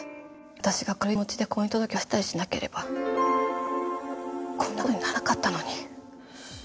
私が軽い気持ちで婚姻届を出したりしなければこんな事にならなかったのに。